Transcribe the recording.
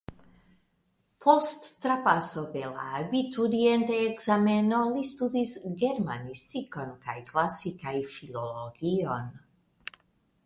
Post trapaso de la abiturienta ekzameno li studis germanistikon kaj klasikaj filologion.